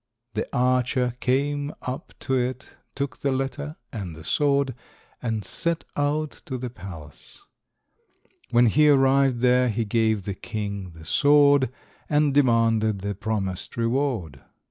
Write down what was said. The archer came up to it, took the letter and the sword, and set out to the palace. When he arrived there he gave the king the sword, and demanded the promised reward.